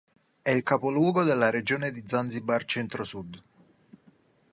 È il capoluogo della Regione di Zanzibar Centro-Sud.